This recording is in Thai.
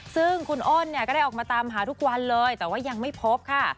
ซึ่งคุณอ้นเนี่ยก็ได้ออกมาตามหาทุกวันเลยแต่ว่ายังไม่พบค่ะ